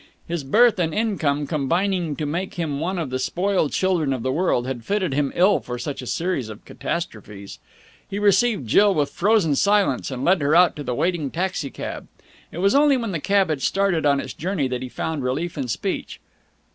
His birth and income combining to make him one of the spoiled children of the world, had fitted him ill for such a series of catastrophes. He received Jill with frozen silence and led her out to the waiting taxi cab. It was only when the cab had started on its journey that he found relief in speech.